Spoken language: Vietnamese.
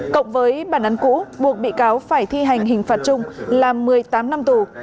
cộng với bản án cũ buộc bị cáo phải thi hành hình phạt chung là một mươi tám năm tù